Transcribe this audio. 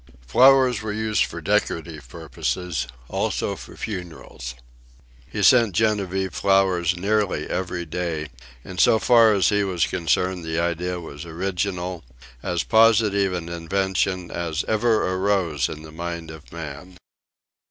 Flowers were used for decorative purposes, also for funerals. He sent Genevieve flowers nearly every day, and so far as he was concerned the idea was original, as positive an invention as ever arose in the mind of man.